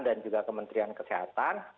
dan juga kementerian kesehatan